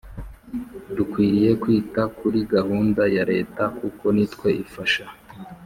Dukwiriye kwita kuri gahunda ya Leta kuko nitwe ifasha